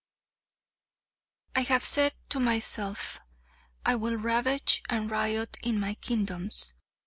I have said to myself: 'I will ravage and riot in my Kingdoms.